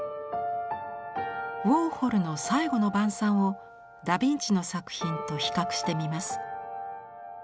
ウォーホルの「最後の晩餐」をダ・ヴィンチの作品と比較してみます。